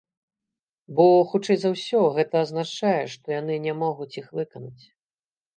Бо, хутчэй за ўсё, гэта азначае, што яны не могуць іх выканаць.